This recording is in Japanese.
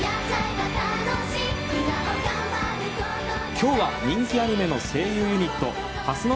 今日は人気アニメの声優ユニット蓮ノ